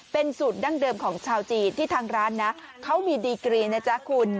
เป็นสูตรดั้งเดิมของชาวจีนที่ทางร้านนะเขามีดีกรีนะจ๊ะคุณ